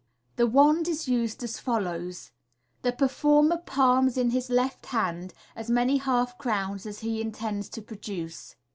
The wand is used as follows :— The performer palms in his left hand as many half crowns as he intends to produce.